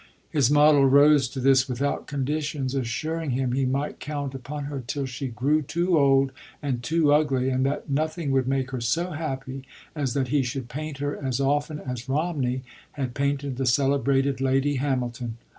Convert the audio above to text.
His model rose to this without conditions, assuring him he might count upon her till she grew too old and too ugly and that nothing would make her so happy as that he should paint her as often as Romney had painted the celebrated Lady Hamilton.